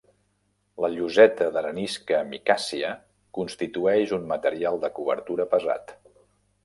La lloseta d'arenisca micàcia constitueix un material de cobertura pesat.